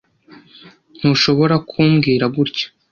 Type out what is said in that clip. Ntushobora ku mbwira gutya.